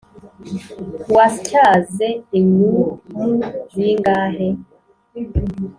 wasyaze inyumu zingahe